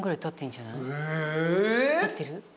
たってる？